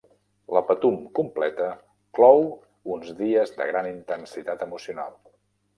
La Patum completa clou uns dies de gran intensitat emocional.